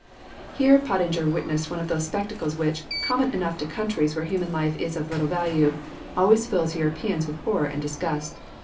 Here Pottinger witnessed one of those spectacles which, common enough to countries where human life is of little value, always fill Europeans with horror and disgust.